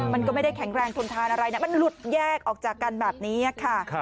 มันก็ไม่ได้แข็งแรงทนทานอะไรมันหลุดแยกออกจากกันแบบนี้ค่ะ